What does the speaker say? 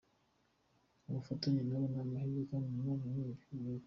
Ubufatanye nabo ni amahirwe kandi nanone ni bibi.